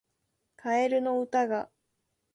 カエルの歌が